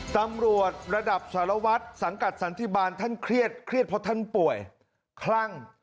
ตำรวจระดับสารวัตรสังกัดสันติบาลท่านเครียดเครียดเพราะท่านป่วยคลั่ง